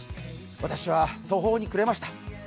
私は途方に暮れました。